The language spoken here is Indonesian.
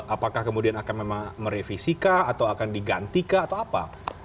apakah kemudian akan memang merevisi kah atau akan diganti kah atau apa